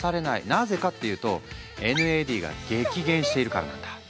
なぜかっていうとＮＡＤが激減しているからなんだ。